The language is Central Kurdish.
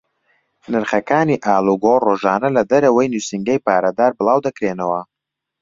نرخەکانی ئاڵوگۆڕ ڕۆژانە لە دەرەوەی نووسینگەی پارەدار بڵاو دەکرێنەوە.